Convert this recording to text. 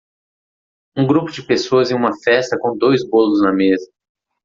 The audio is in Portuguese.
Um grupo de pessoas em uma festa com dois bolos na mesa.